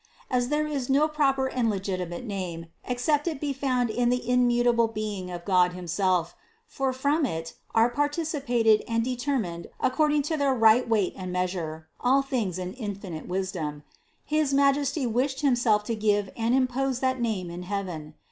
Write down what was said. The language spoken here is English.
As there is no proper and legitimate name, except it be found in the immutable being of God himself (for from it are participated and determined according to their right weight and measure all things in infinite wis dom) his Majesty wished himself to give and impose that name in heaven.